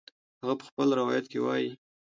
هغه په خپل روایت کې وایي